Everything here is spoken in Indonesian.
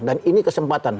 dan ini kesempatan